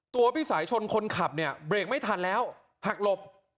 พี่สายชนคนขับเนี่ยเบรกไม่ทันแล้วหักหลบ